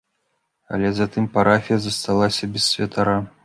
Але затым парафія засталася без святара.